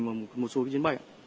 và một số cái chiến bay ạ